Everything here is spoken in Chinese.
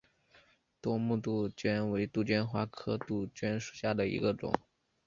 夺目杜鹃为杜鹃花科杜鹃属下的一个种。